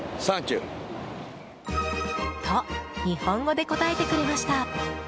と、日本語で答えてくれました。